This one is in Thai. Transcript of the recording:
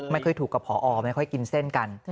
ไม่เคยถูกกับพอไม่ค่อยกินเส้นกัน